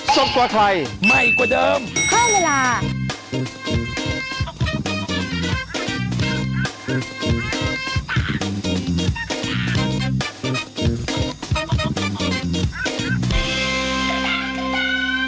สวัสดีค่ะ